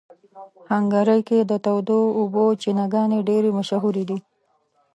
هنګري کې د تودو اوبو چینهګانې ډېرې مشهوره دي.